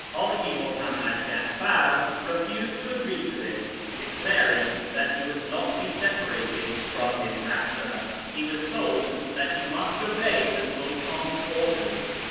Haji Muhammad Ja'far refused to agree to this, declaring that he would not be separated from his master. He was told that he must obey the Sultan's orders.